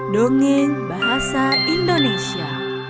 dongeng bahasa indonesia